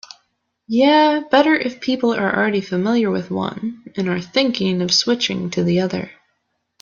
Yeah, better if people are already familiar with one and are thinking of switching to the other.